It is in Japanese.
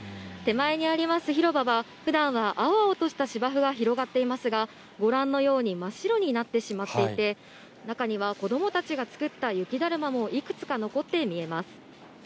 手前にあります広場は、ふだんは青々とした芝生が広がっていますが、ご覧のように真っ白になってしまっていて、中には子どもたちが作った雪だるまもいくつか残って見えます。